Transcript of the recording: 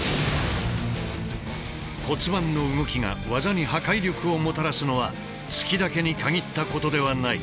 骨盤の動きが技に破壊力をもたらすのは突きだけに限ったことではない。